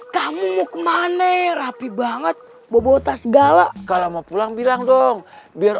kamu mau kemana rapi banget bawa tas gala kalau mau pulang bilang dong biar